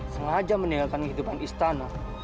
sengaja meninggalkan kehidupan istana